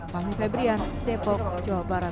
fahmi febrian depok jawa barat